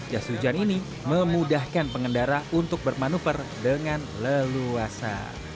jas hujan ini memudahkan pengendara untuk bermanuver dengan leluasa